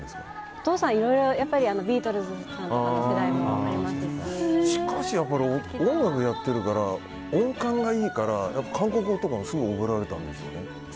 お父さんはいろいろビートルズさんとかのしかし、やっぱり音楽やってるから音感がいいから、韓国語とかもすぐに覚えられたんですかね。